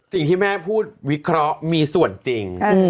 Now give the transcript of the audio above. สิ่งที่แม่พูดวิเคราะห์มีส่วนจริง